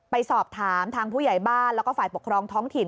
ไปสอบถามทางผู้ใหญ่บ้านแล้วก็ฝ่ายปกครองท้องถิ่น